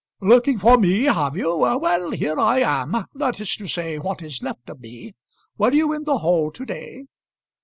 "Looking for me, have you? Well, here I am; that is to say, what is left of me. Were you in the hall to day?"